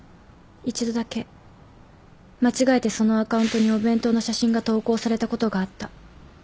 一度だけ間違えてそのアカウントにお弁当の写真が投稿されたことがあった。